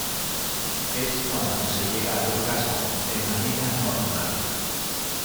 Es cuando no se llega al orgasmo de manera "normal".